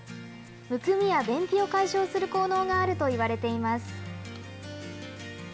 むくみや便秘を解消する効能があるといわれています。